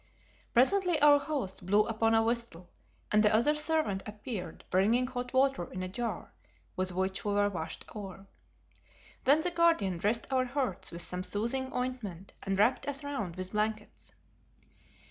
Presently our host blew upon a whistle, and the other servant appeared bringing hot water in a jar, with which we were washed over. Then the Guardian dressed our hurts with some soothing ointment, and wrapped us round with blankets.